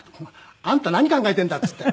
「あんた何考えてんだ！」っつって。